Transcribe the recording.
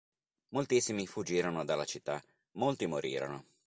Moltissimi fuggirono dalla città, molti morirono.